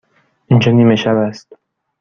اینجا نیمه شب است.